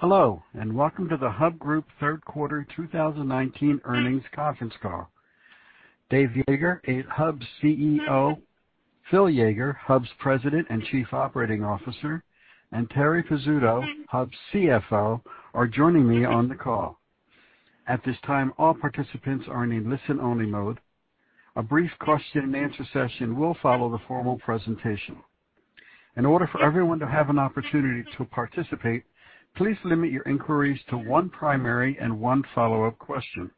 Hello, welcome to the Hub Group third quarter 2019 earnings conference call. Dave Yeager, Hub's CEO, Phil Yeager, Hub's President and Chief Operating Officer, and Terri Pizzuto, Hub's CFO, are joining me on the call. At this time, all participants are in a listen-only mode. A brief question-and-answer session will follow the formal presentation. In order for everyone to have an opportunity to participate, please limit your inquiries to one primary and one follow-up question.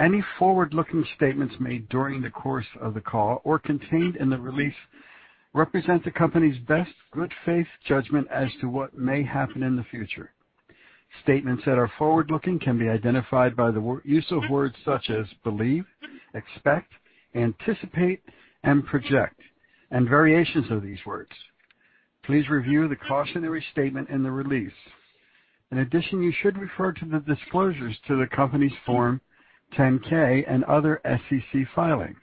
Any forward-looking statements made during the course of the call or contained in the release represent the company's best good faith judgment as to what may happen in the future. Statements that are forward-looking can be identified by the use of words such as believe, expect, anticipate, and project, and variations of these words. Please review the cautionary statement in the release. In addition, you should refer to the disclosures to the company's Form 10-K and other SEC filings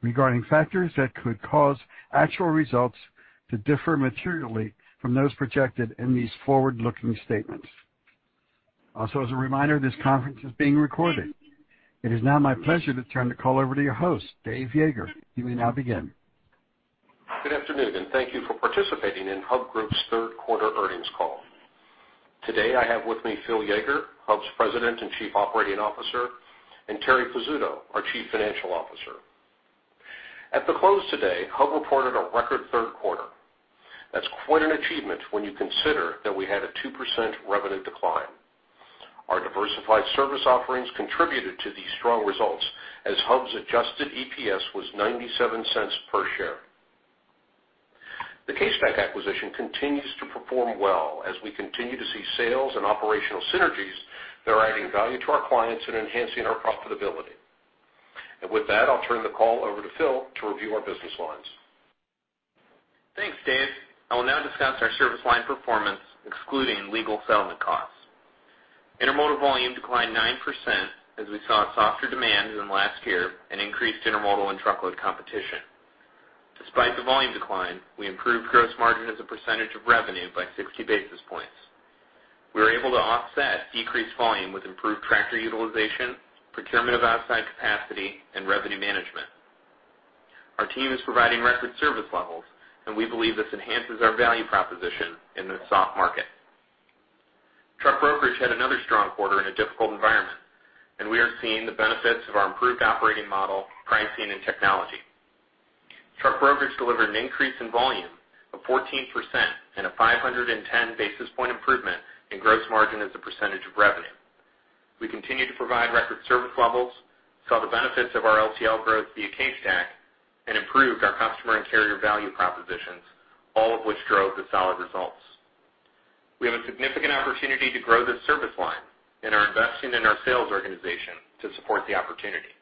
regarding factors that could cause actual results to differ materially from those projected in these forward-looking statements. Also, as a reminder, this conference is being recorded. It is now my pleasure to turn the call over to your host, Dave Yeager. You may now begin. Good afternoon, and thank you for participating in Hub Group's third quarter earnings call. Today, I have with me Phil Yeager, Hub's President and Chief Operating Officer, and Terri Pizzuto, our Chief Financial Officer. At the close today, Hub reported a record third quarter. That's quite an achievement when you consider that we had a 2% revenue decline. Our diversified service offerings contributed to these strong results, as Hub's adjusted EPS was $0.97 per share. The CaseStack acquisition continues to perform well as we continue to see sales and operational synergies that are adding value to our clients and enhancing our profitability. With that, I'll turn the call over to Phil to review our business lines. Thanks, Dave. I will now discuss our service line performance excluding legal settlement costs. Intermodal volume declined 9% as we saw softer demand than last year and increased intermodal and truckload competition. Despite the volume decline, we improved gross margin as a percentage of revenue by 60 basis points. We were able to offset decreased volume with improved tractor utilization, procurement of outside capacity, and revenue management. Our team is providing record service levels, and we believe this enhances our value proposition in this soft market. Truck brokerage had another strong quarter in a difficult environment, and we are seeing the benefits of our improved operating model, pricing, and technology. Truck brokerage delivered an increase in volume of 14% and a 510 basis point improvement in gross margin as a percentage of revenue. We continue to provide record service levels, saw the benefits of our LTL growth via CaseStack, and improved our customer and carrier value propositions, all of which drove the solid results. We have a significant opportunity to grow this service line and are investing in our sales organization to support the opportunity.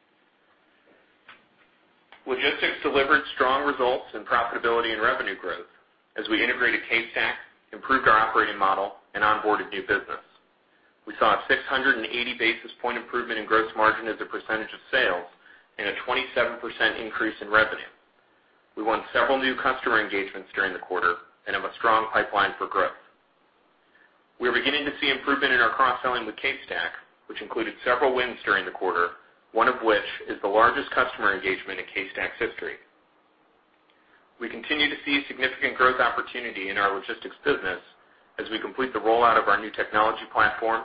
Logistics delivered strong results in profitability and revenue growth as we integrated CaseStack, improved our operating model and onboarded new business. We saw a 680 basis point improvement in gross margin as a percentage of sales and a 27% increase in revenue. We won several new customer engagements during the quarter and have a strong pipeline for growth. We are beginning to see improvement in our cross-selling with CaseStack, which included several wins during the quarter, one of which is the largest customer engagement in CaseStack's history. We continue to see significant growth opportunity in our logistics business as we complete the rollout of our new technology platform,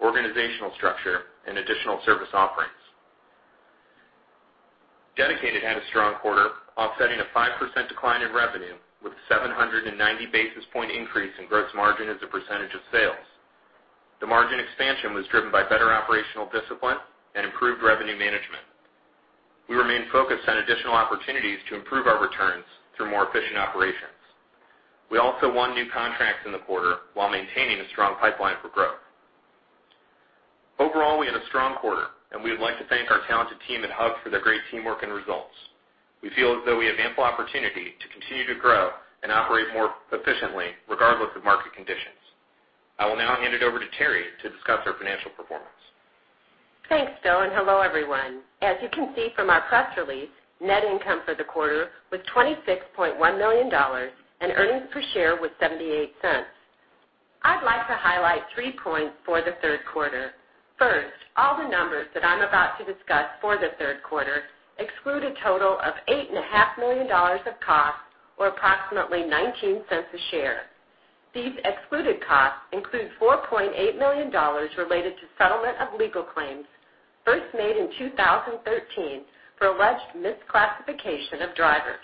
organizational structure, and additional service offerings. Dedicated had a strong quarter, offsetting a 5% decline in revenue with a 790 basis point increase in gross margin as a percentage of sales. The margin expansion was driven by better operational discipline and improved revenue management. We remain focused on additional opportunities to improve our returns through more efficient operations. We also won new contracts in the quarter while maintaining a strong pipeline for growth. Overall, we had a strong quarter, and we would like to thank our talented team at Hub for their great teamwork and results. We feel as though we have ample opportunity to continue to grow and operate more efficiently, regardless of market conditions. I will now hand it over to Terri to discuss our financial performance. Thanks, Phil, and hello, everyone. As you can see from our press release, net income for the quarter was $26.1 million, and earnings per share was $0.78. I'd like to highlight three points for the third quarter. All the numbers that I'm about to discuss for the third quarter exclude a total of $8.5 million of costs, or approximately $0.19 a share. These excluded costs include $4.8 million related to settlement of legal claims first made in 2013 for alleged misclassification of drivers,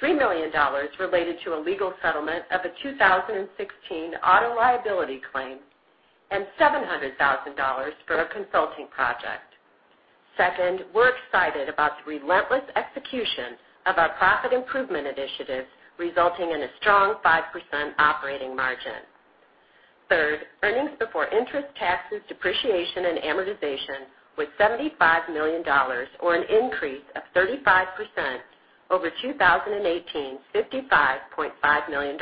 $3 million related to a legal settlement of a 2016 auto liability claim, and $700,000 for a consulting project. We're excited about the relentless execution of our profit improvement initiative, resulting in a strong 5% operating margin. Third, EBITDA was $75 million, or an increase of 35% over 2018's $55.5 million.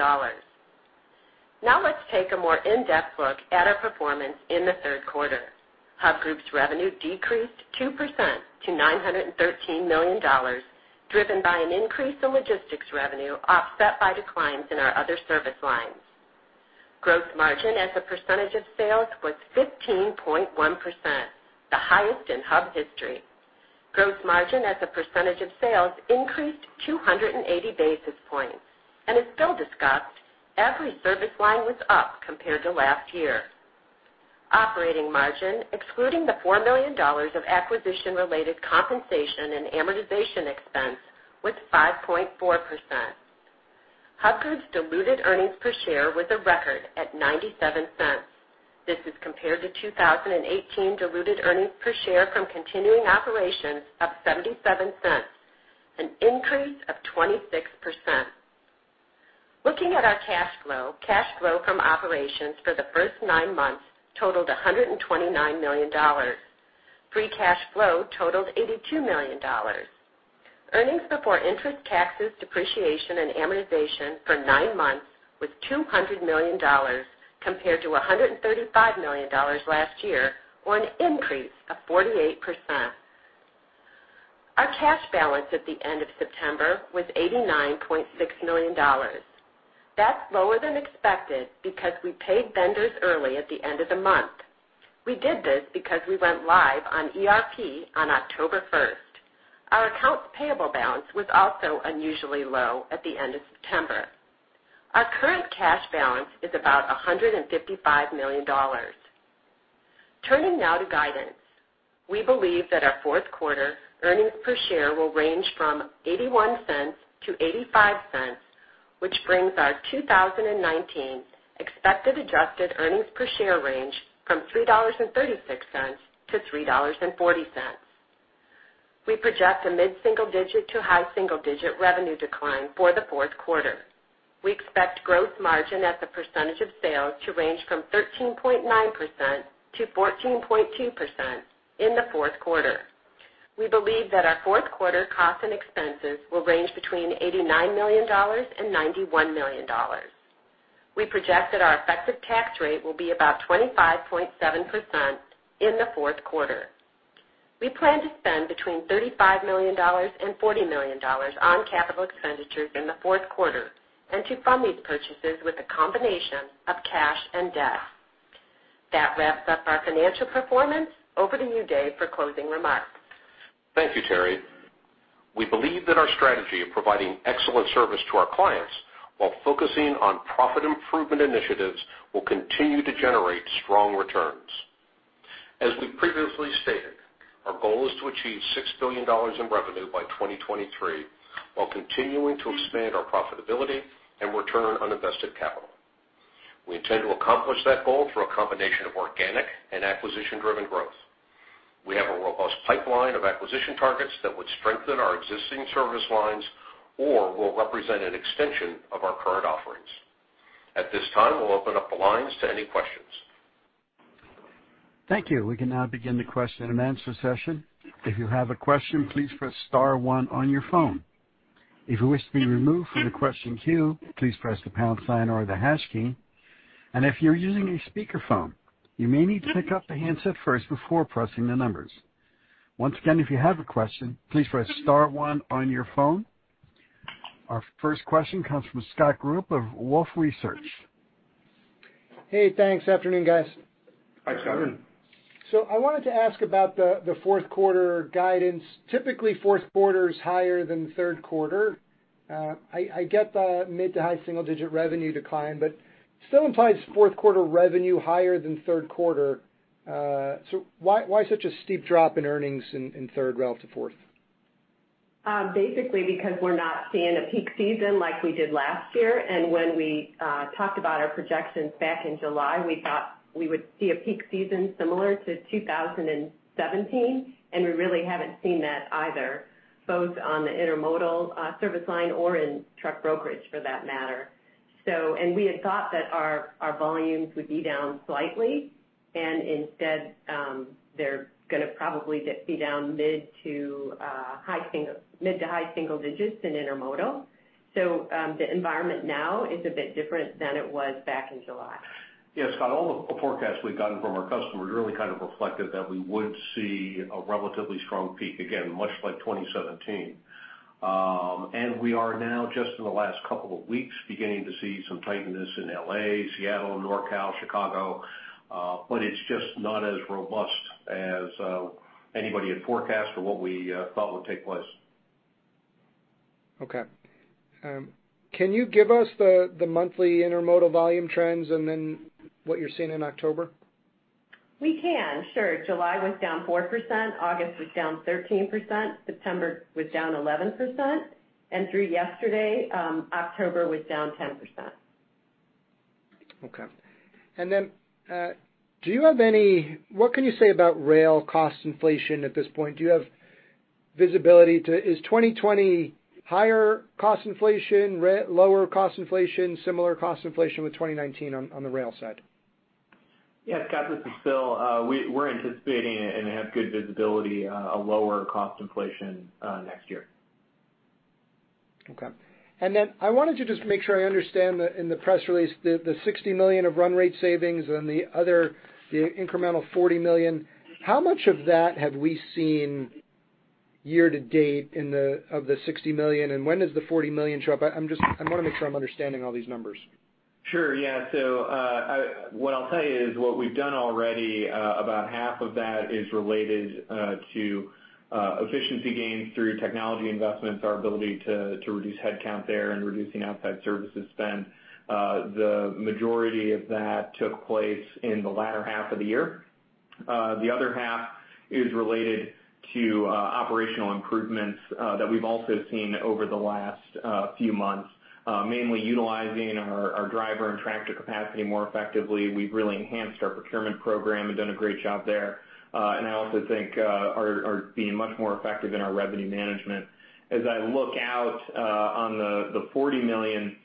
Let's take a more in-depth look at our performance in the third quarter. Hub Group's revenue decreased 2% to $913 million, driven by an increase in logistics revenue offset by declines in our other service lines. Gross margin as a percentage of sales was 15.1%, the highest in Hub history. Gross margin as a percentage of sales increased 280 basis points, and as Phil discussed, every service line was up compared to last year. Operating margin, excluding the $4 million of acquisition-related compensation and amortization expense, was 5.4%. Hub Group's diluted earnings per share was a record at $0.97. This is compared to 2018 diluted earnings per share from continuing operations of $0.77, an increase of 26%. Looking at our cash flow, cash flow from operations for the first nine months totaled $129 million. Free cash flow totaled $82 million. Earnings before interest, taxes, depreciation, and amortization for nine months was $200 million compared to $135 million last year, or an increase of 48%. Our cash balance at the end of September was $89.6 million. That's lower than expected because we paid vendors early at the end of the month. We did this because we went live on ERP on October 1st. Our accounts payable balance was also unusually low at the end of September. Our current cash balance is about $155 million. Turning now to guidance. We believe that our fourth quarter earnings per share will range from $0.81-$0.85, which brings our 2019 expected adjusted earnings per share range from $3.36-$3.40. We project a mid-single digit to high single-digit revenue decline for the fourth quarter. We expect growth margin as a percentage of sales to range from 13.9%-14.2% in the fourth quarter. We believe that our fourth quarter costs and expenses will range between $89 million and $91 million. We project that our effective tax rate will be about 25.7% in the fourth quarter. We plan to spend between $35 million and $40 million on capital expenditures in the fourth quarter, and to fund these purchases with a combination of cash and debt. That wraps up our financial performance. Over to you, Dave, for closing remarks. Thank you, Terri. We believe that our strategy of providing excellent service to our clients while focusing on profit improvement initiatives will continue to generate strong returns. As we previously stated, our goal is to achieve $6 billion in revenue by 2023 while continuing to expand our profitability and return on invested capital. We intend to accomplish that goal through a combination of organic and acquisition-driven growth. We have a robust pipeline of acquisition targets that would strengthen our existing service lines or will represent an extension of our current offerings. At this time, we'll open up the lines to any questions. Thank you. We can now begin the question-and-answer session. If you have a question, please press *1 on your phone. If you wish to be removed from the question queue, please press the pound sign or the hash key. If you're using a speakerphone, you may need to pick up the handset first before pressing the numbers. Once again, if you have a question, please press *1 on your phone. Our first question comes from Scott Group of Wolfe Research. Hey, thanks. Afternoon, guys. Hi, Scott. Afternoon. I wanted to ask about the fourth quarter guidance. Typically, fourth quarter is higher than third quarter. I get the mid to high single-digit revenue decline, but still implies fourth quarter revenue higher than third quarter. Why such a steep drop in earnings in third relative to fourth? Basically because we're not seeing a peak season like we did last year. When we talked about our projections back in July, we thought we would see a peak season similar to 2017, and we really haven't seen that either, both on the intermodal service line or in truck brokerage for that matter. We had thought that our volumes would be down slightly, and instead, they're going to probably be down mid to high single digits in intermodal. The environment now is a bit different than it was back in July. Yeah, Scott, all the forecasts we've gotten from our customers really kind of reflected that we would see a relatively strong peak, again, much like 2017. We are now just in the last couple of weeks beginning to see some tightness in L.A., Seattle, NorCal, Chicago. It's just not as robust as anybody had forecast or what we thought would take place. Okay. Can you give us the monthly intermodal volume trends and then what you're seeing in October? We can, sure. July was down 4%, August was down 13%, September was down 11%, and through yesterday, October was down 10%. Okay. What can you say about rail cost inflation at this point? Do you have visibility? Is 2020 higher cost inflation, lower cost inflation, similar cost inflation with 2019 on the rail side? Yes, Scott, this is Phil. We're anticipating and have good visibility on a lower cost inflation next year. Okay. I wanted to just make sure I understand that in the press release, the $60 million of run rate savings and the other incremental $40 million, how much of that have we seen year-to-date of the $60 million, and when does the $40 million show up? I want to make sure I'm understanding all these numbers. Sure. Yeah. What I'll tell you is what we've done already, about half of that is related to efficiency gains through technology investments, our ability to reduce headcount there, and reducing outside services spend. The majority of that took place in the latter half of the year. The other half is related to operational improvements that we've also seen over the last few months, mainly utilizing our driver and tractor capacity more effectively. We've really enhanced our procurement program and done a great job there. I also think are being much more effective in our revenue management. As I look out on the $40 million,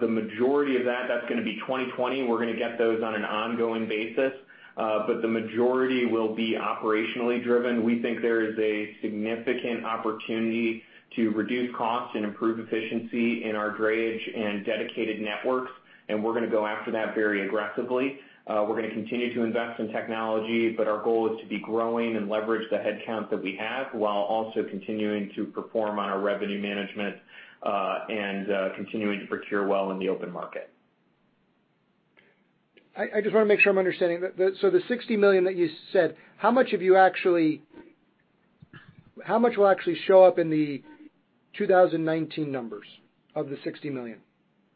the majority of that's going to be 2020. We're going to get those on an ongoing basis. The majority will be operationally driven. We think there is a significant opportunity to reduce cost and improve efficiency in our drayage and dedicated networks, and we're going to go after that very aggressively. We're going to continue to invest in technology, but our goal is to be growing and leverage the headcount that we have, while also continuing to perform on our revenue management, and continuing to procure well in the open market. I just want to make sure I'm understanding. The $60 million that you said, how much will actually show up in the 2019 numbers of the $60 million?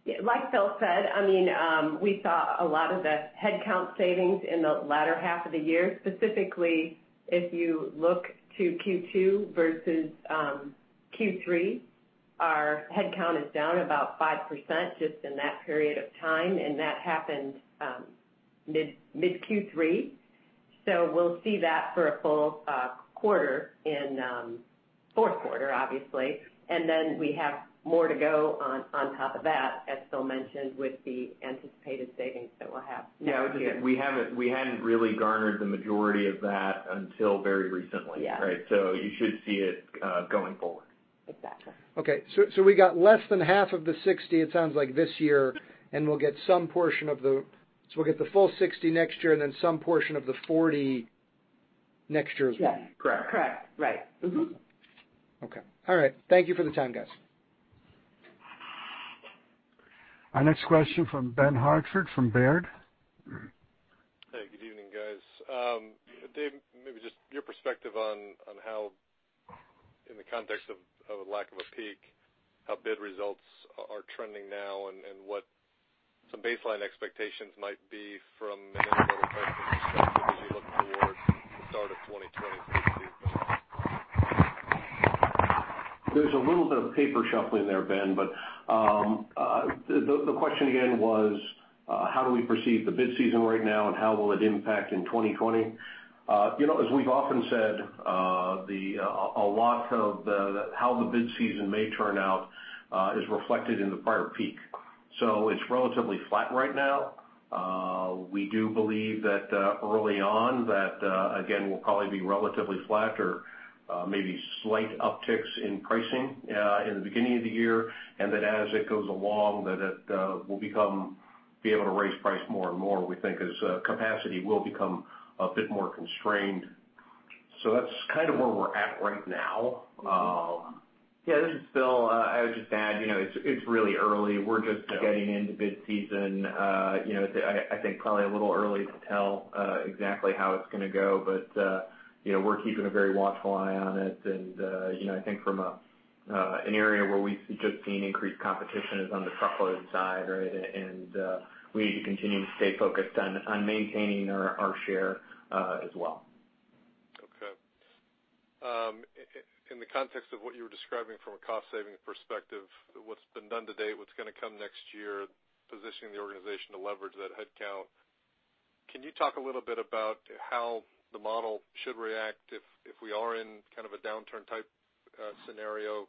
Like Phil said, we saw a lot of the headcount savings in the latter half of the year. Specifically, if you look to Q2 versus Q3, our headcount is down about 5% just in that period of time, and that happened mid Q3. We'll see that for a full quarter in fourth quarter, obviously. We have more to go on top of that, as Phil mentioned, with the anticipated savings that we'll have next year. We hadn't really garnered the majority of that until very recently. Yeah. Right. You should see it going forward. Exactly. Okay. We got less than half of the $60 million it sounds like this year, so we'll get the full $60 million next year and then some portion of the $40 million next year as well. Yeah. Correct. Correct. Right. Mm-hmm. Okay. All right. Thank you for the time, guys. Our next question from Ben Hartford, from Baird. Hey, good evening, guys. Dave, maybe just your perspective on how, in the context of a lack of a peak, how bid results are trending now, and what some baseline expectations might be from an incremental pricing perspective as you look towards the start of 2020 bid season. There's a little bit of paper shuffling there, Ben. The question again was how do we perceive the bid season right now, and how will it impact in 2020? As we've often said, a lot of how the bid season may turn out is reflected in the prior peak. It's relatively flat right now. We do believe that early on that, again, we'll probably be relatively flat or maybe slight upticks in pricing in the beginning of the year, and that as it goes along, that it will be able to raise price more and more, we think as capacity will become a bit more constrained. That's kind of where we're at right now. Yeah, this is Phil. I would just add, it's really early. We're just getting into bid season. I think probably a little early to tell exactly how it's going to go. We're keeping a very watchful eye on it, and I think from an area where we've just seen increased competition is on the truckload side, right? We need to continue to stay focused on maintaining our share as well. Okay. In the context of what you were describing from a cost-saving perspective, what's been done to date, what's going to come next year, positioning the organization to leverage that headcount, can you talk a little bit about how the model should react if we are in kind of a downturn type scenario,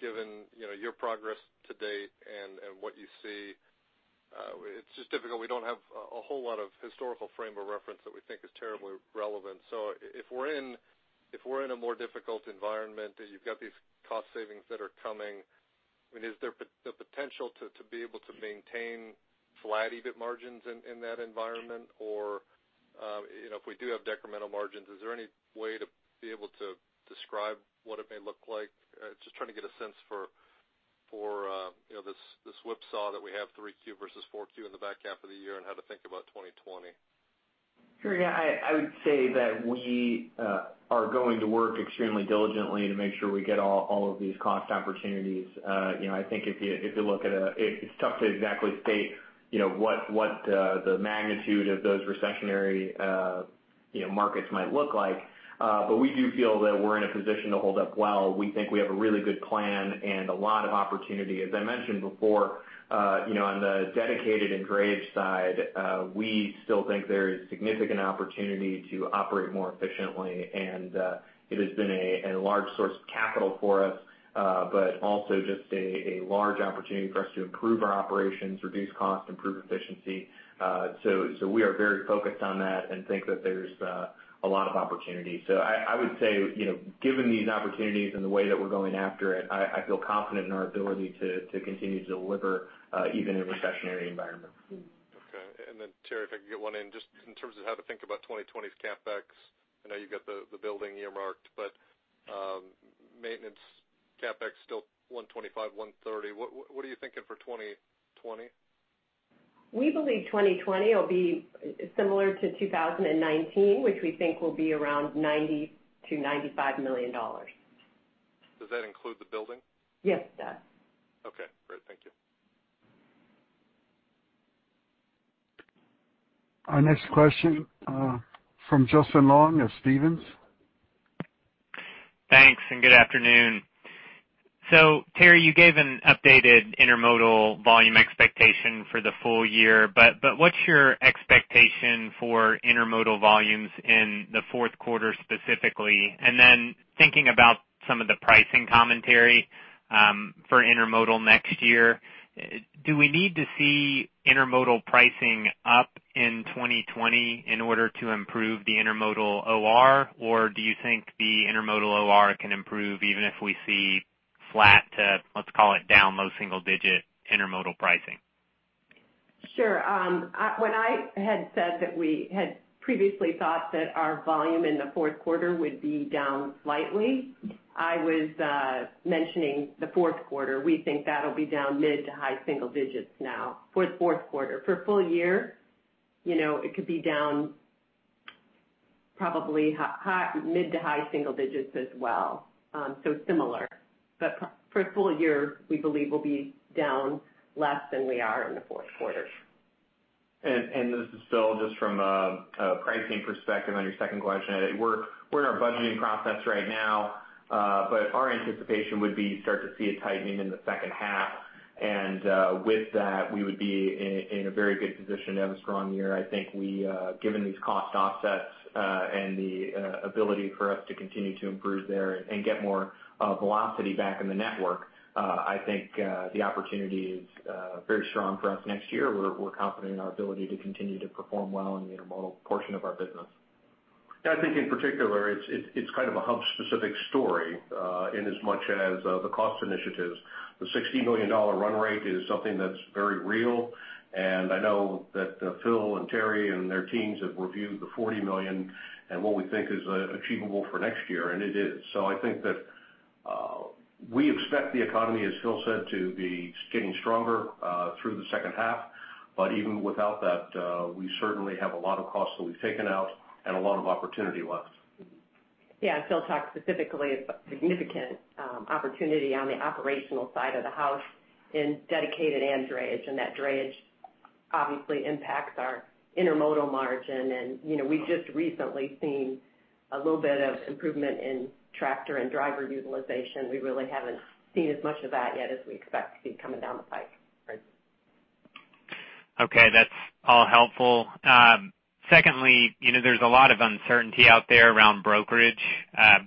given your progress to date and what you see? It's just difficult. We don't have a whole lot of historical frame of reference that we think is terribly relevant. If we're in a more difficult environment and you've got these cost savings that are coming, is there the potential to be able to maintain flat EBIT margins in that environment? If we do have decremental margins, is there any way to be able to describe what it may look like? Just trying to get a sense for this whipsaw that we have, 3Q versus 4Q in the back half of the year, and how to think about 2020. Sure. Yeah. I would say that we are going to work extremely diligently to make sure we get all of these cost opportunities. I think it's tough to exactly state what the magnitude of those recessionary markets might look like. We do feel that we're in a position to hold up well. We think we have a really good plan and a lot of opportunity. As I mentioned before on the dedicated and drayage side, we still think there is significant opportunity to operate more efficiently. It has been a large source of capital for us, but also just a large opportunity for us to improve our operations, reduce costs, improve efficiency. We are very focused on that and think that there's a lot of opportunity. I would say, given these opportunities and the way that we're going after it, I feel confident in our ability to continue to deliver even in a recessionary environment. Terri, if I could get one in, just in terms of how to think about 2020's CapEx. I know you've got the building earmarked, but maintenance CapEx still $125-$130. What are you thinking for 2020? We believe 2020 will be similar to 2019, which we think will be around $90 million-$95 million. Does that include the building? Yes, it does. Okay, great. Thank you. Our next question, from Justin Long of Stephens. Thanks, good afternoon. Terri, you gave an updated intermodal volume expectation for the full year, but what's your expectation for intermodal volumes in the fourth quarter specifically? Thinking about some of the pricing commentary, for intermodal next year, do we need to see intermodal pricing up in 2020 in order to improve the intermodal OR? Do you think the intermodal OR can improve even if we see flat to, let's call it, down low single digit intermodal pricing? Sure. When I had said that we had previously thought that our volume in the fourth quarter would be down slightly, I was mentioning the fourth quarter. We think that'll be down mid to high single digits now for the fourth quarter. For full year, it could be down probably mid to high single digits as well, so similar. For full year, we believe we'll be down less than we are in the fourth quarter. This is Phil, just from a pricing perspective on your second question. We're in our budgeting process right now, but our anticipation would be start to see a tightening in the second half. With that, we would be in a very good position to have a strong year. I think given these cost offsets, and the ability for us to continue to improve there and get more velocity back in the network, I think the opportunity is very strong for us next year. We're confident in our ability to continue to perform well in the intermodal portion of our business. I think in particular, it's kind of a Hub-specific story, in as much as the cost initiatives. The $60 million run rate is something that's very real. I know that Phil and Terri and their teams have reviewed the $40 million and what we think is achievable for next year, and it is. I think that we expect the economy, as Phil said, to be getting stronger through the second half. Even without that, we certainly have a lot of costs that we've taken out and a lot of opportunity left. Yeah, Phil talked specifically about significant opportunity on the operational side of the house in dedicated and drayage, and that drayage obviously impacts our intermodal margin. We've just recently seen a little bit of improvement in tractor and driver utilization. We really haven't seen as much of that yet as we expect to see coming down the pike. Okay, that's all helpful. Secondly, there's a lot of uncertainty out there around brokerage,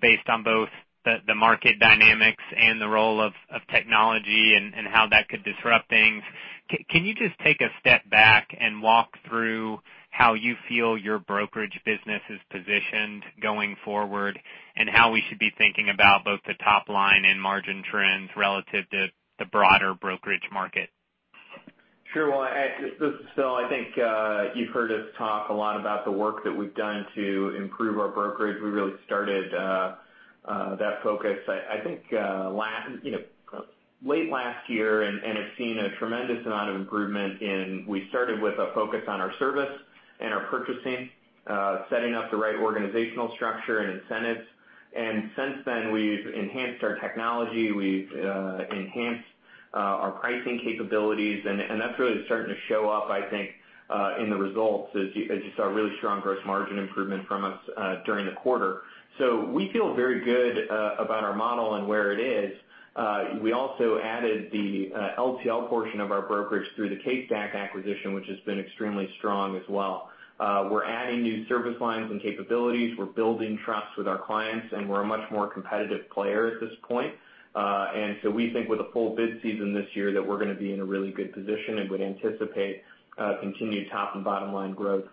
based on both the market dynamics and the role of technology and how that could disrupt things. Can you just take a step back and walk through how you feel your brokerage business is positioned going forward, and how we should be thinking about both the top line and margin trends relative to the broader brokerage market? Sure. This is Phil. I think you've heard us talk a lot about the work that we've done to improve our brokerage. We really started that focus, I think late last year. We have seen a tremendous amount of improvement. We started with a focus on our service and our purchasing, setting up the right organizational structure and incentives. Since then, we've enhanced our technology, we've enhanced our pricing capabilities. That's really starting to show up, I think, in the results, as you saw really strong gross margin improvement from us during the quarter. We feel very good about our model and where it is. We also added the LTL portion of our brokerage through the CaseStack acquisition, which has been extremely strong as well. We're adding new service lines and capabilities. We're building trust with our clients, and we're a much more competitive player at this point. We think with a full bid season this year, that we're going to be in a really good position and would anticipate continued top and bottom line growth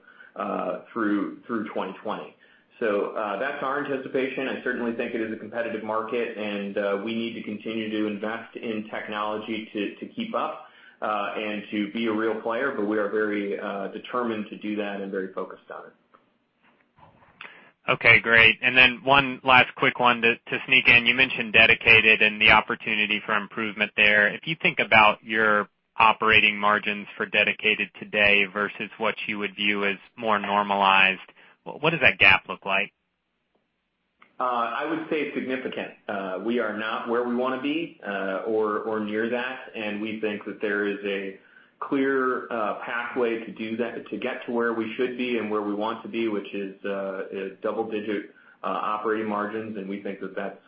through 2020. That's our anticipation. I certainly think it is a competitive market, and we need to continue to invest in technology to keep up, and to be a real player, but we are very determined to do that and very focused on it. Okay, great. One last quick one to sneak in. You mentioned dedicated and the opportunity for improvement there. If you think about your operating margins for dedicated today versus what you would view as more normalized, what does that gap look like? I would say significant. We are not where we want to be, or near that, and we think that there is a clear pathway to get to where we should be and where we want to be, which is double-digit operating margins, and we think that that's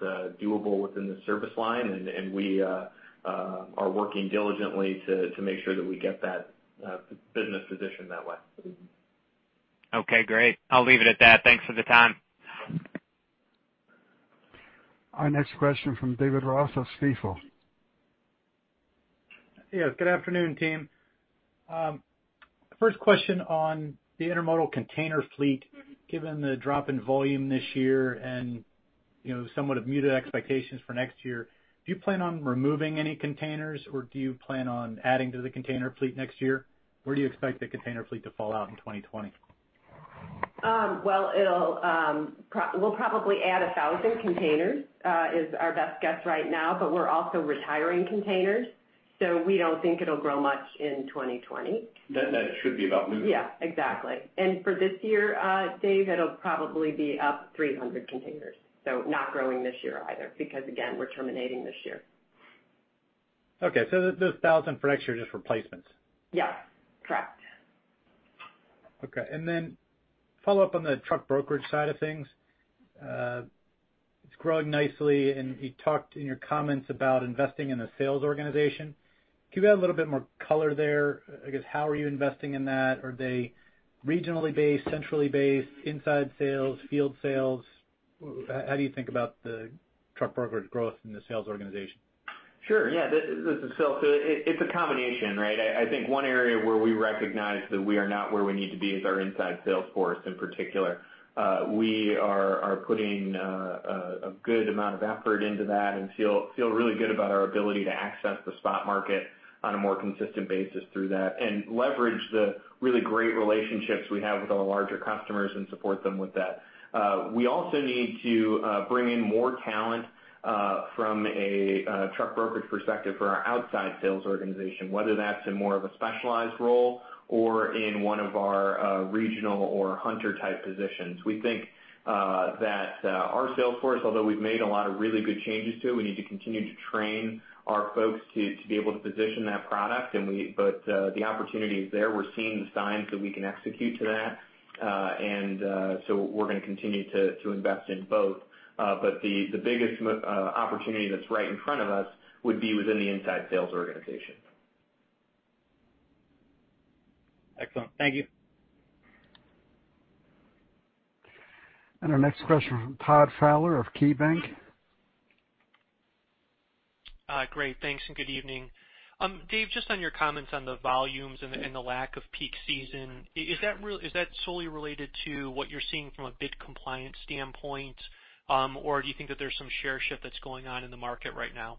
doable within the service line. We are working diligently to make sure that we get that business positioned that way. Okay, great. I'll leave it at that. Thanks for the time. Our next question from David Ross of Stifel. Yes, good afternoon, team. First question on the intermodal container fleet, given the drop in volume this year and somewhat of muted expectations for next year. Do you plan on removing any containers, or do you plan on adding to the container fleet next year? Where do you expect the container fleet to fall out in 2020? Well, we'll probably add 1,000 containers, is our best guess right now, but we're also retiring containers. We don't think it'll grow much in 2020. Net-net should be about neutral. Yeah, exactly. For this year, Dave, it'll probably be up 300 containers. Not growing this year either, because again, we're terminating this year. Okay, those 1,000 for next year are just replacements. Yes. Correct. Okay, follow up on the truck brokerage side of things. It's growing nicely, you talked in your comments about investing in the sales organization. Can you add a little bit more color there? I guess, how are you investing in that? Are they regionally based, centrally based, inside sales, field sales? How do you think about the truck brokerage growth in the sales organization? Sure. This is Phil. It's a combination, right? I think one area where we recognize that we are not where we need to be is our inside sales force in particular. We are putting a good amount of effort into that and feel really good about our ability to access the spot market on a more consistent basis through that, and leverage the really great relationships we have with our larger customers and support them with that. We also need to bring in more talent from a truck brokerage perspective for our outside sales organization, whether that's in more of a specialized role or in one of our regional or hunter-type positions. We think that our sales force, although we've made a lot of really good changes to it, we need to continue to train our folks to be able to position that product. The opportunity is there. We're seeing the signs that we can execute to that. We're going to continue to invest in both. The biggest opportunity that's right in front of us would be within the inside sales organization. Excellent. Thank you. Our next question from Todd Fowler of KeyBanc. Great, thanks, good evening. Dave, just on your comments on the volumes and the lack of peak season, is that solely related to what you're seeing from a bid compliance standpoint? Do you think that there's some share shift that's going on in the market right now?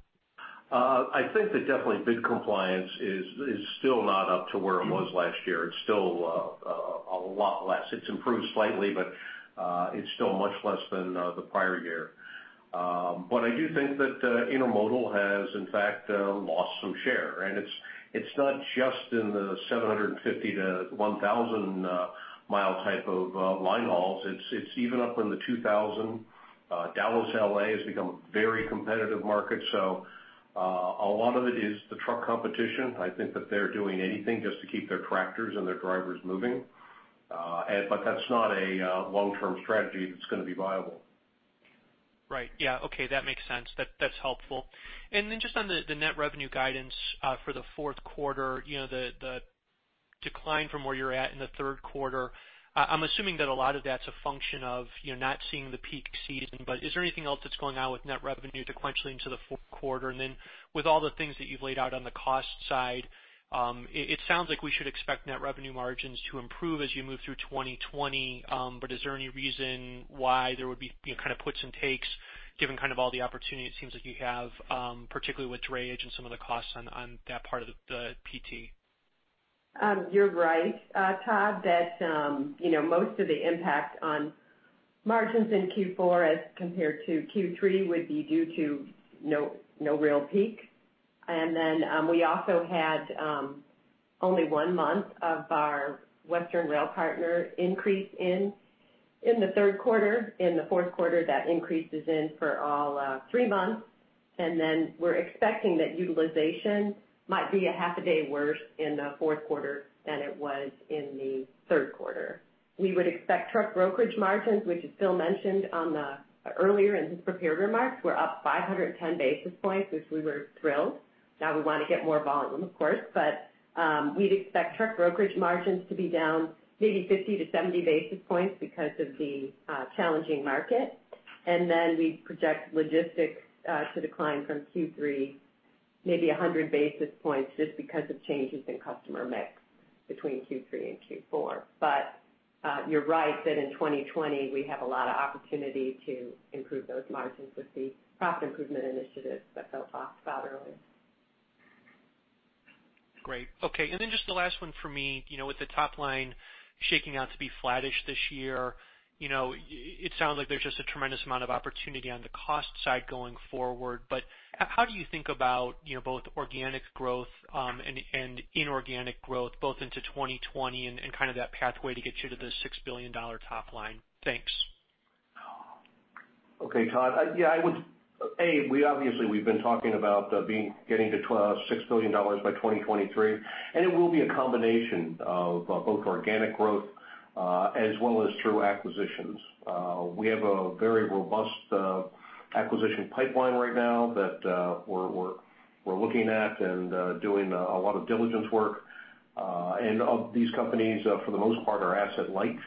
I think that definitely bid compliance is still not up to where it was last year. It's still a lot less. It's improved slightly, but it's still much less than the prior year. I do think that intermodal has, in fact, lost some share. It's not just in the 750-1,000-mile type of line hauls. It's even up in the 2,000. Dallas, L.A. has become a very competitive market. A lot of it is the truck competition. I think that they're doing anything just to keep their tractors and their drivers moving. That's not a long-term strategy that's going to be viable. Right. Yeah. Okay. That makes sense. That's helpful. Just on the net revenue guidance for the fourth quarter, the decline from where you're at in the third quarter, I'm assuming that a lot of that's a function of you not seeing the peak season. Is there anything else that's going on with net revenue sequentially into the fourth quarter? With all the things that you've laid out on the cost side, it sounds like we should expect net revenue margins to improve as you move through 2020. Is there any reason why there would be kind of puts and takes given all the opportunity it seems like you have, particularly with drayage and some of the costs on that part of the P&L? You're right, Todd, that most of the impact on margins in Q4 as compared to Q3 would be due to no real peak. We also had only one month of our Western rail partner increase in the third quarter. In the fourth quarter, that increase is in for all three months. We're expecting that utilization might be a half a day worse in the fourth quarter than it was in the third quarter. We would expect truck brokerage margins, which Phil mentioned earlier in his prepared remarks, were up 510 basis points, which we were thrilled. Now we want to get more volume, of course. We'd expect truck brokerage margins to be down maybe 50-70 basis points because of the challenging market. We project logistics to decline from Q3 maybe 100 basis points just because of changes in customer mix between Q3 and Q4. You're right, that in 2020, we have a lot of opportunity to improve those margins with the profit improvement initiatives that Phil talked about earlier. Great. Okay, then just the last one for me. With the top line shaking out to be flattish this year, it sounds like there's just a tremendous amount of opportunity on the cost side going forward. How do you think about both organic growth and inorganic growth, both into 2020 and that pathway to get you to the $6 billion top line? Thanks. Okay, Todd. Obviously, we've been talking about getting to $6 billion by 2023, and it will be a combination of both organic growth as well as through acquisitions. We have a very robust acquisition pipeline right now that we're looking at and doing a lot of diligence work. These companies, for the most part, are asset light.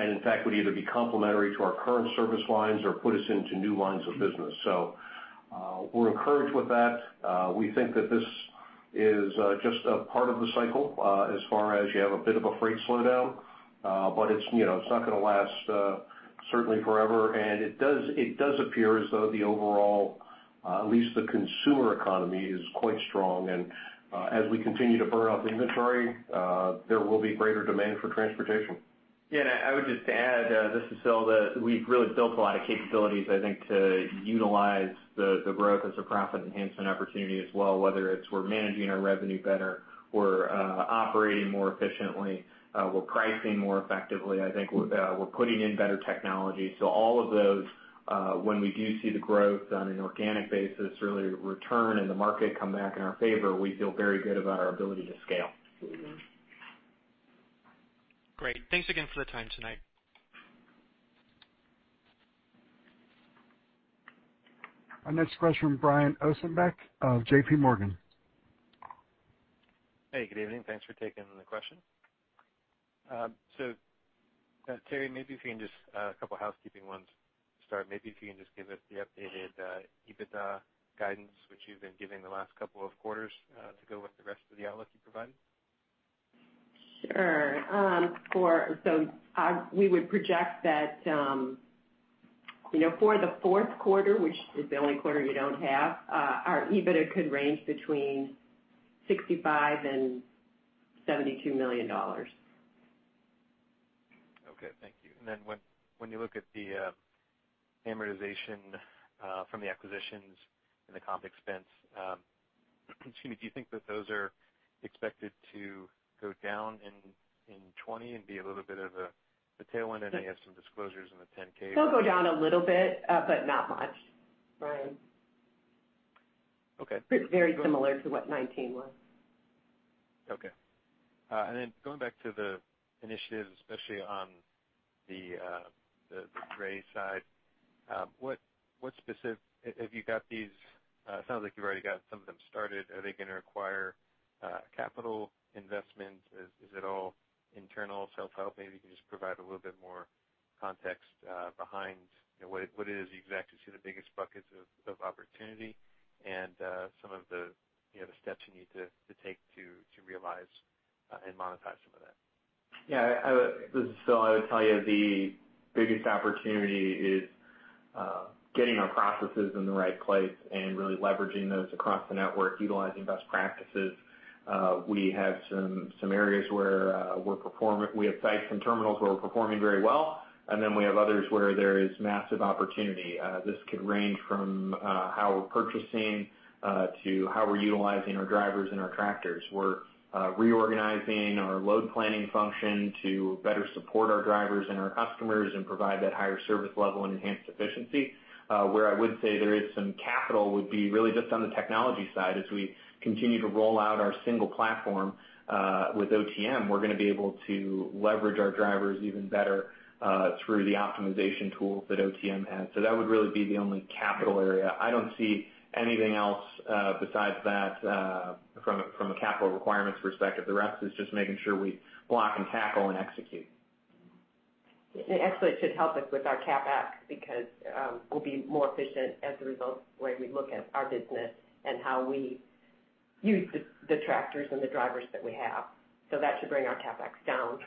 In fact, would either be complementary to our current service lines or put us into new lines of business. We're encouraged with that. We think that this is just a part of the cycle as far as you have a bit of a freight slowdown. It's not going to last certainly forever. It does appear as though the overall, at least the consumer economy, is quite strong. As we continue to burn off inventory, there will be greater demand for transportation. Yeah, I would just add, this is Phil, that we've really built a lot of capabilities, I think, to utilize the growth as a profit enhancement opportunity as well, whether it's we're managing our revenue better, we're operating more efficiently, we're pricing more effectively. I think we're putting in better technology. All of those, when we do see the growth on an organic basis, really return and the market come back in our favor, we feel very good about our ability to scale. Great. Thanks again for the time tonight. Our next question, Brian Ossenbeck of J.P. Morgan. Hey, good evening. Thanks for taking the question. Terri, maybe if you can just a couple housekeeping ones to start. Maybe if you can just give us the updated EBITDA guidance, which you've been giving the last couple of quarters to go with the rest of the outlook you provided. Sure. We would project that for the fourth quarter, which is the only quarter you don't have, our EBITDA could range between $65 million-$72 million. Okay, thank you. When you look at the amortization from the acquisitions and the comp expense, excuse me, do you think that those are expected to go down in 2020 and be a little bit of a tailwind? I know you have some disclosures in the 10-K. They'll go down a little bit, but not much, Brian. Okay. Very similar to what 2019 was. Okay. Going back to the initiatives, especially on the dray side, it sounds like you've already got some of them started. Are they going to require capital investment? Is it all internal, self-help? Maybe you can just provide a little bit more context behind what it is exactly, just the biggest buckets of opportunity and some of the steps you need to take to realize and monetize some of that. Yeah. This is Phil. I would tell you the biggest opportunity is getting our processes in the right place and really leveraging those across the network, utilizing best practices. We have some areas where we have sites and terminals where we're performing very well, and then we have others where there is massive opportunity. This could range from how we're purchasing to how we're utilizing our drivers and our tractors. We're reorganizing our load planning function to better support our drivers and our customers and provide that higher service level and enhanced efficiency. Where I would say there is some capital would be really just on the technology side. As we continue to roll out our single platform with OTM, we're going to be able to leverage our drivers even better through the optimization tools that OTM has. That would really be the only capital area. I don't see anything else besides that from a capital requirements perspective. The rest is just making sure we block and tackle and execute. Actually, it should help us with our CapEx because we'll be more efficient as a result the way we look at our business and how we use the tractors and the drivers that we have. That should bring our CapEx down.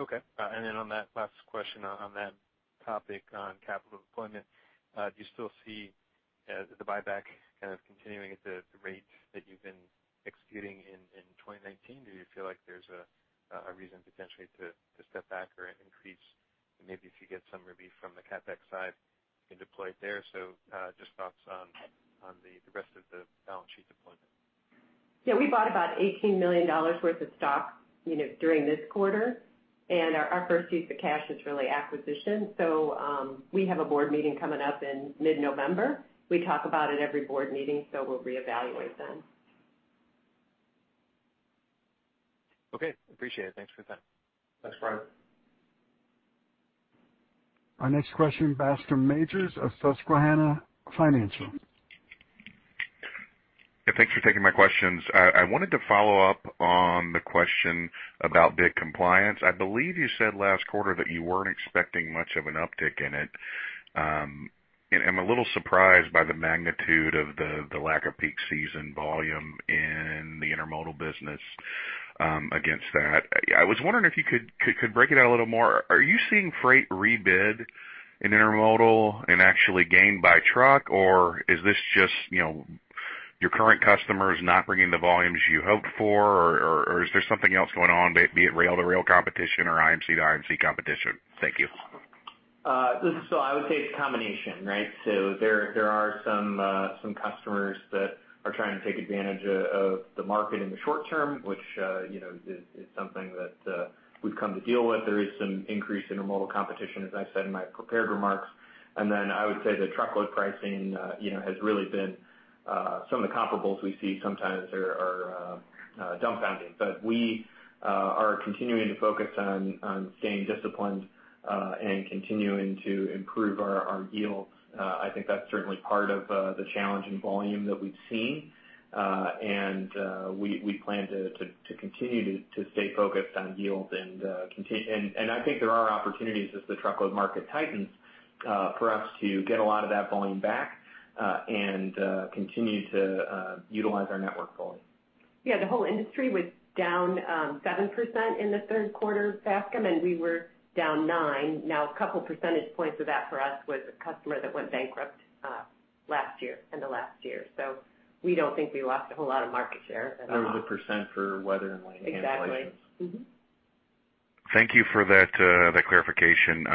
Okay. On that last question on that topic on capital deployment, do you still see the buyback kind of continuing at the rate that you've been executing in 2019? Do you feel like there's a reason potentially to step back or increase, maybe if you get some relief from the CapEx side and deploy it there? Just thoughts on the rest of the balance sheet deployment. Yeah. We bought about $18 million worth of stock during this quarter, and our first use of cash is really acquisition. We have a board meeting coming up in mid-November. We talk about it every board meeting, so we'll reevaluate then. Okay. Appreciate it. Thanks for the time. Thanks, Brian. Our next question, Bascome Majors of Susquehanna Financial. Yeah. Thanks for taking my questions. I wanted to follow up on the question about bid compliance. I believe you said last quarter that you weren't expecting much of an uptick in it. I'm a little surprised by the magnitude of the lack of peak season volume in the intermodal business against that. I was wondering if you could break it out a little more. Are you seeing freight rebid in intermodal and actually gained by truck, or is this just your current customers not bringing the volumes you hoped for, or is there something else going on, be it rail to rail competition or IMC to IMC competition? Thank you. This is Phil. I would say it's a combination, right? There are some customers that are trying to take advantage of the market in the short term, which is something that we've come to deal with. There is some increased intermodal competition, as I said in my prepared remarks. I would say the truckload pricing has really been some of the comparables we see sometimes are dumbfounding. We are continuing to focus on staying disciplined, and continuing to improve our yields. I think that's certainly part of the challenge in volume that we've seen. We plan to continue to stay focused on yields. I think there are opportunities as the truckload market tightens, for us to get a lot of that volume back, and continue to utilize our network fully. Yeah. The whole industry was down 7% in the third quarter, IANA, and we were down 9%. Now, a couple percentage points of that for us was a customer that went bankrupt last year, end of last year. We don't think we lost a whole lot of market share at all. There was a % for weather and lane implications. Exactly. Mm-hmm. Thank you for that clarification.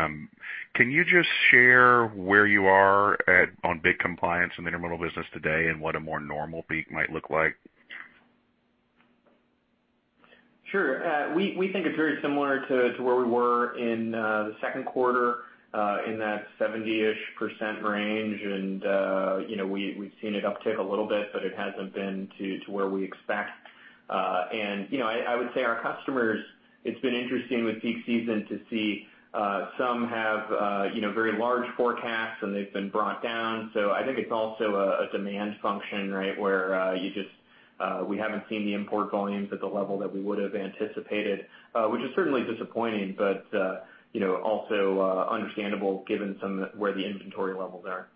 Can you just share where you are on bid compliance in the intermodal business today and what a more normal peak might look like? Sure. We think it's very similar to where we were in the second quarter, in that 70-ish% range. We've seen it uptick a little bit, but it hasn't been to where we expect. I would say our customers, it's been interesting with peak season to see some have very large forecasts and they've been brought down. I think it's also a demand function, where we haven't seen the import volumes at the level that we would have anticipated. Which is certainly disappointing, but also understandable given where the inventory levels are.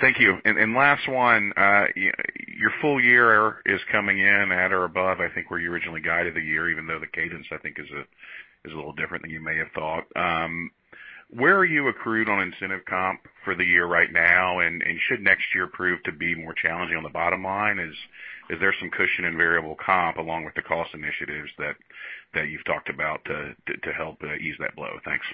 Thank you. Last one. Your full year is coming in at or above, I think, where you originally guided the year, even though the cadence, I think, is a little different than you may have thought. Where are you accrued on incentive comp for the year right now, and should next year prove to be more challenging on the bottom line? Is there some cushion in variable comp along with the cost initiatives that you've talked about to help ease that blow? Thanks.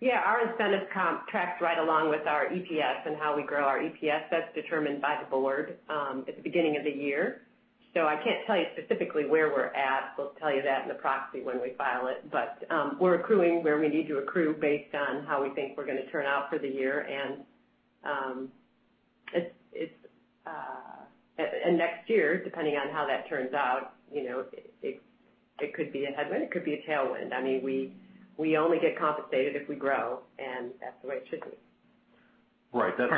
Yeah. Our incentive comp tracks right along with our EPS and how we grow our EPS. That's determined by the board at the beginning of the year. I can't tell you specifically where we're at. We'll tell you that in the proxy when we file it. We're accruing where we need to accrue based on how we think we're going to turn out for the year. Next year, depending on how that turns out, it could be a headwind, it could be a tailwind. We only get compensated if we grow, and that's the way it should be. Right. That's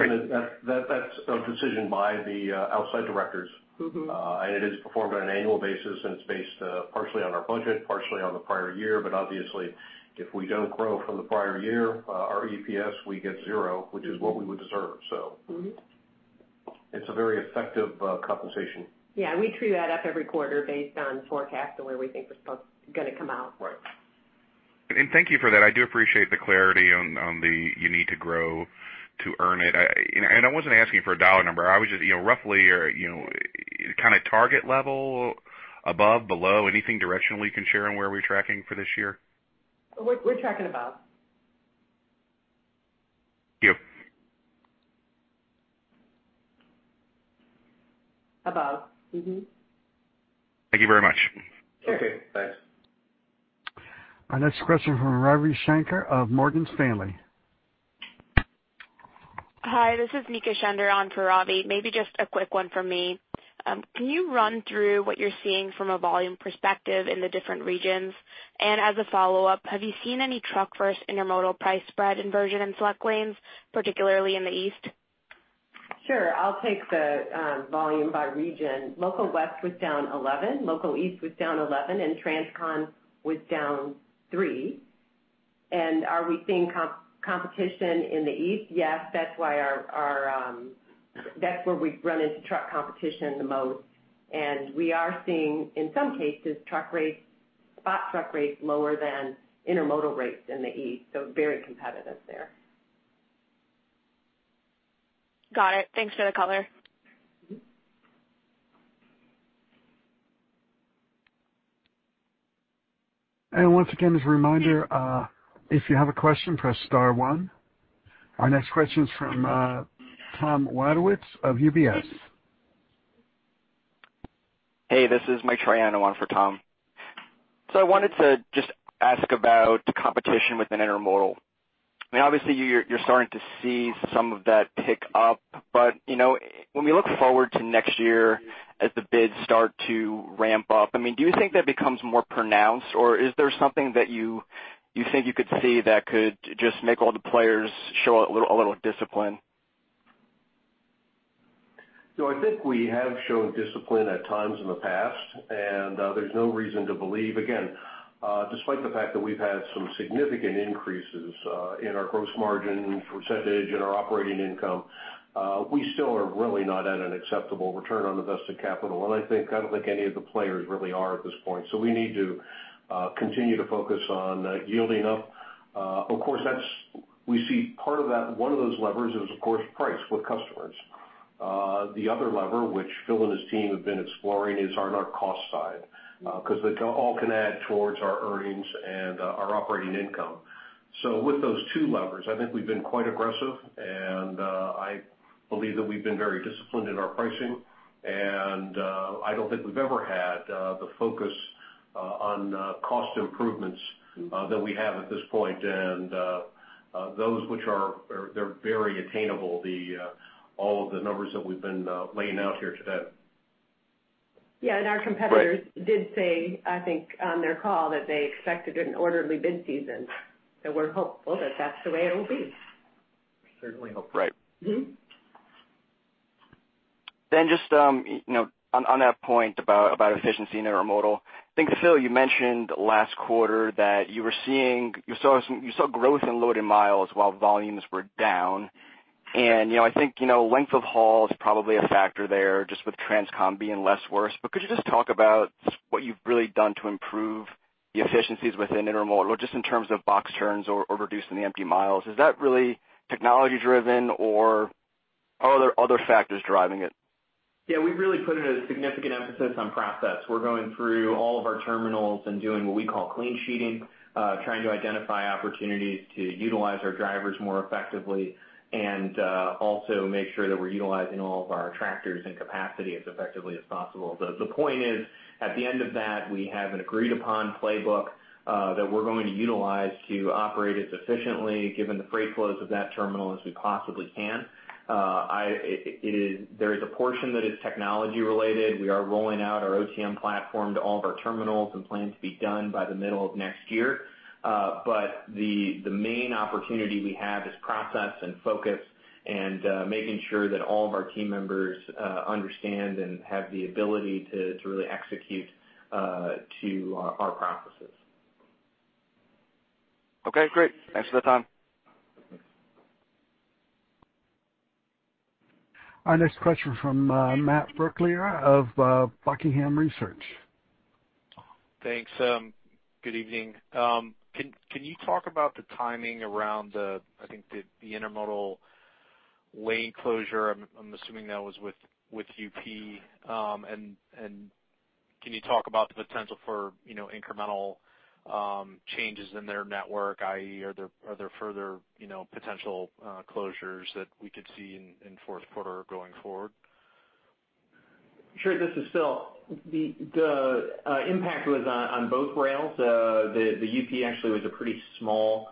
a decision by the outside directors. It is performed on an annual basis, and it's based partially on our budget, partially on the prior year. Obviously, if we don't grow from the prior year, our EPS, we get zero, which is what we would deserve. It's a very effective compensation. We true that up every quarter based on forecast to where we think we're going to come out. Right. Thank you for that. I do appreciate the clarity on the you need to grow to earn it. I wasn't asking for a dollar number. I was just roughly kind of target level above, below, anything directionally you can share on where we're tracking for this year? We're tracking above. Yep. Above. Mm-hmm. Thank you very much. Sure. Okay, thanks. Our next question from Ravi Shanker of Morgan Stanley. Hi, this is Nika Shander on for Ravi. Maybe just a quick one from me. Can you run through what you're seeing from a volume perspective in the different regions? As a follow-up, have you seen any truck versus intermodal price spread inversion in select lanes, particularly in the East? Sure. I'll take the volume by region. Local West was down 11, local East was down 11, and transcon was down three. Are we seeing competition in the East? Yes. That's where we've run into truck competition the most. We are seeing, in some cases, spot truck rates lower than intermodal rates in the East. Very competitive there. Got it. Thanks for the color. Once again, as a reminder, if you have a question, press star one. Our next question is from Tom Wadewitz of UBS. Hey, this is Michael Triano on for Tom. I wanted to just ask about competition within intermodal. I mean, obviously you're starting to see some of that pick up, but when we look forward to next year as the bids start to ramp up, do you think that becomes more pronounced, or is there something that you think you could see that could just make all the players show a little discipline? I think we have shown discipline at times in the past, and there's no reason to believe, again despite the fact that we've had some significant increases in our gross margin percentage and our operating income, we still are really not at an acceptable return on invested capital. I don't think any of the players really are at this point. We need to continue to focus on yielding up. Of course, we see part of that, one of those levers is of course price with customers. The other lever, which Phil and his team have been exploring, is on our cost side. Because it all can add towards our earnings and our operating income. With those two levers, I think we've been quite aggressive, and I believe that we've been very disciplined in our pricing. I don't think we've ever had the focus on cost improvements that we have at this point, and those which are very attainable, all of the numbers that we've been laying out here today. Yeah. Right did say, I think on their call, that they expected an orderly bid season. We're hopeful that that's the way it will be. We certainly hope so. Right. Just on that point about efficiency in intermodal, I think, Phil, you mentioned last quarter that you saw growth in loaded miles while volumes were down. I think, length of haul is probably a factor there just with transcon being less worse. Could you just talk about what you've really done to improve the efficiencies within intermodal, just in terms of box turns or reducing the empty miles? Is that really technology driven, or are there other factors driving it? Yeah. We've really put a significant emphasis on process. We're going through all of our terminals and doing what we call clean-sheeting, trying to identify opportunities to utilize our drivers more effectively, and also make sure that we're utilizing all of our tractors and capacity as effectively as possible. The point is, at the end of that, we have an agreed upon playbook, that we're going to utilize to operate as efficiently, given the freight flows of that terminal, as we possibly can. There is a portion that is technology related. We are rolling out our OTM platform to all of our terminals and plan to be done by the middle of next year. The main opportunity we have is process and focus and making sure that all of our team members understand and have the ability to really execute to our processes. Okay, great. Thanks for the time. Our next question from Matt Brooklier of Buckingham Research. Thanks. Good evening. Can you talk about the timing around the, I think, the intermodal lane closure? I'm assuming that was with UP. Can you talk about the potential for incremental changes in their network, i.e. are there further potential closures that we could see in fourth quarter or going forward? Sure. This is Phil. The impact was on both rails. The UP actually was a pretty small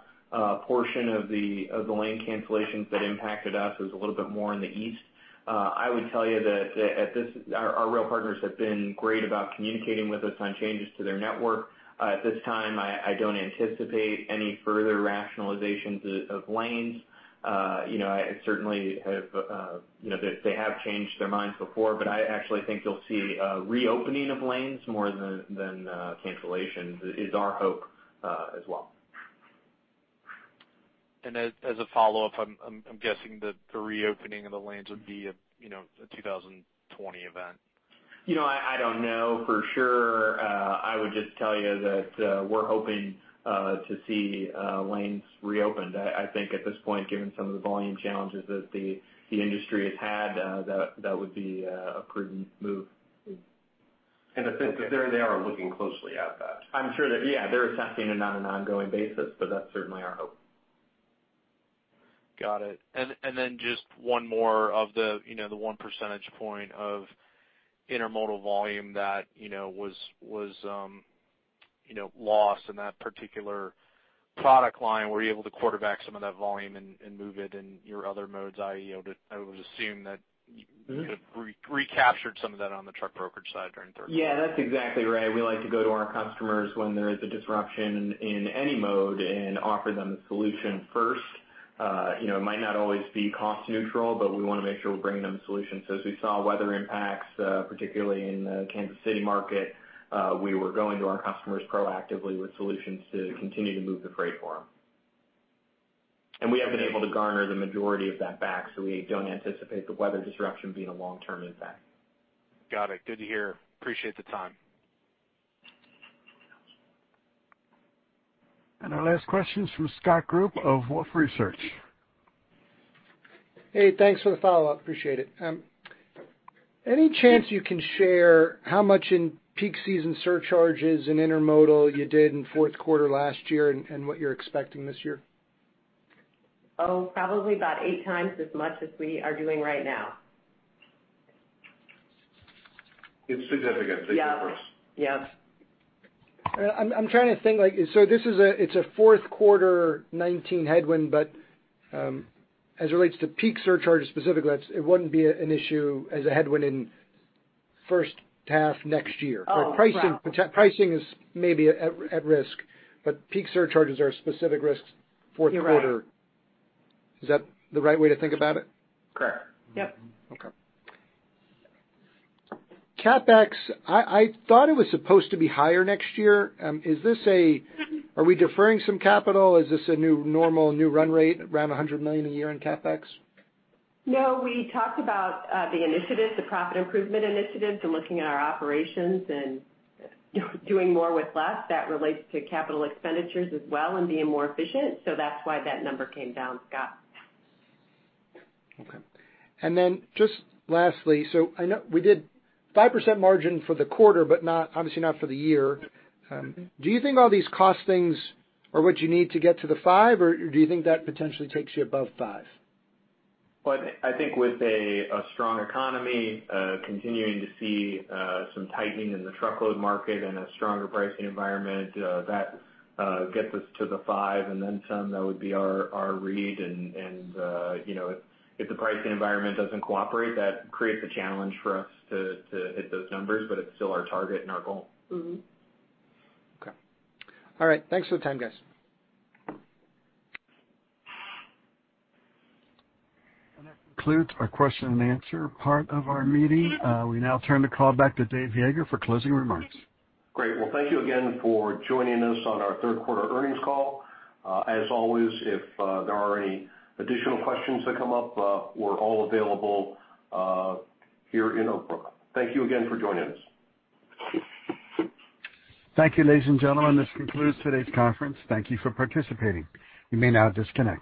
portion of the lane cancellations that impacted us. It was a little bit more in the east. I would tell you that our rail partners have been great about communicating with us on changes to their network. At this time, I don't anticipate any further rationalizations of lanes. They have changed their minds before. I actually think you'll see a reopening of lanes more than cancellations, is our hope as well. As a follow-up, I'm guessing that the reopening of the lanes would be a 2020 event. I don't know for sure. I would just tell you that we're hoping to see lanes reopened. I think at this point, given some of the volume challenges that the industry has had, that would be a prudent move. I think that they are looking closely at that. I'm sure that, yeah, they're assessing it on an ongoing basis, but that's certainly our hope. Got it. Then just one more of the one percentage point of intermodal volume that was lost in that particular product line. Were you able to quarterback some of that volume and move it in your other modes, i.e., I would assume that? recaptured some of that on the truck brokerage side during third quarter. Yeah, that's exactly right. We like to go to our customers when there is a disruption in any mode and offer them a solution first. It might not always be cost neutral, but we want to make sure we're bringing them solutions. As we saw weather impacts, particularly in the Kansas City market, we were going to our customers proactively with solutions to continue to move the freight for them. We have been able to garner the majority of that back, so we don't anticipate the weather disruption being a long-term impact. Got it. Good to hear. Appreciate the time. Our last question is from Scott Group of Wolfe Research. Hey, thanks for the follow-up. Appreciate it. Any chance you can share how much in peak season surcharges in intermodal you did in fourth quarter last year, and what you're expecting this year? Oh, probably about eight times as much as we are doing right now. It's significant, safe to say. Yep. I'm trying to think. It's a fourth quarter 2019 headwind, but as it relates to peak surcharges specifically, it wouldn't be an issue as a headwind in first half next year. Oh, wow. Pricing is maybe at risk. Peak surcharges are a specific risk fourth quarter. You're right. Is that the right way to think about it? Correct. Yep. Okay. CapEx, I thought it was supposed to be higher next year. Are we deferring some capital? Is this a new normal, new run rate around $100 million a year in CapEx? No, we talked about the initiatives, the profit improvement initiatives, and looking at our operations and doing more with less. That relates to capital expenditures as well and being more efficient. That's why that number came down, Scott. Okay. Just lastly, I know we did 5% margin for the quarter, but obviously not for the year. Do you think all these cost things are what you need to get to the 5%, or do you think that potentially takes you above 5%? Well, I think with a strong economy, continuing to see some tightening in the truckload market and a stronger pricing environment, that gets us to the five and then some. That would be our read. If the pricing environment doesn't cooperate, that creates a challenge for us to hit those numbers, but it's still our target and our goal. Okay. All right. Thanks for the time, guys. That concludes our question and answer part of our meeting. We now turn the call back to David Yeager for closing remarks. Great. Well, thank you again for joining us on our third quarter earnings call. As always, if there are any additional questions that come up, we're all available here in Oak Brook. Thank you again for joining us. Thank you, ladies and gentlemen. This concludes today's conference. Thank you for participating. You may now disconnect.